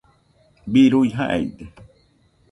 birui jaide